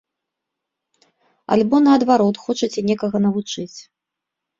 Альбо, наадварот, хочаце некага навучыць.